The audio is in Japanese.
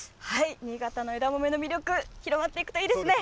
新潟の枝豆の魅力、広まっていくといいですね。